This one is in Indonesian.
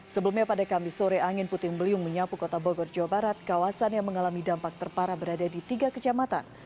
sebelumnya pada kamis sore angin puting beliung menyapu kota bogor jawa barat kawasan yang mengalami dampak terparah berada di tiga kecamatan